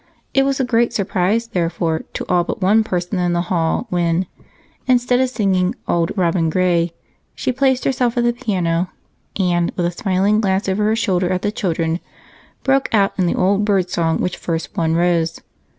It was a great surprise, therefore, to all but one person in the hall when, instead of singing "Auld Robin Grey," she placed herself at the piano, and, with a smiling glance over her shoulder at the children, broke out in the old bird song which first won Rose.